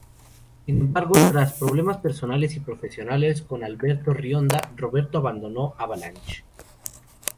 Sin embargo, tras problemas personales y profesionales con Alberto Rionda, Roberto abandonó Avalanch.